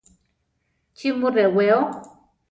¿Chí mu rewéo?